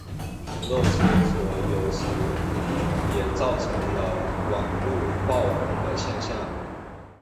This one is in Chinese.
人肉搜索有时也造就了网路爆红现象。